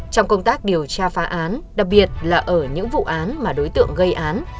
trong công tác điều tra phá án đặc biệt là ở những vụ án mà đối tượng gây án